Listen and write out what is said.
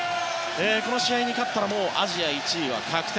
この試合に勝ったらもうアジア１位は確定。